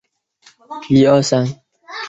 它们可能是在近河流的地方猎食。